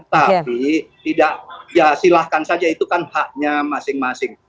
tapi silahkan saja itu kan haknya masing masing